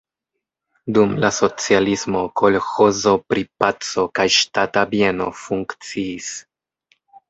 Dum la socialismo kolĥozo pri "Paco" kaj ŝtata bieno funkciis.